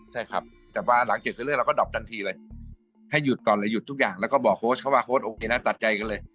ใช่ครับแต่ว่าหลังเก็บไปเรื่อยเราก็ดอบทันทีเลยให้หยุดก่อนเลยหยุดทุกอย่างแล้วก็บอกโค้ชเขาว่าโค้ดโอเคนะตัดใจกันเลย